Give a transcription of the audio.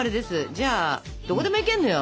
じゃあどこでも行けんのよ